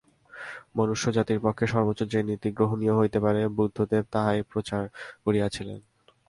মনুষ্যজাতির পক্ষে সর্বোচ্চ যে নীতি গ্রহণীয় হইতে পারে, বুদ্ধদেব তাহাই প্রচার করিয়াছিলেন।